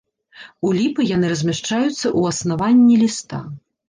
У ліпы яны размяшчаюцца ў аснаванні ліста.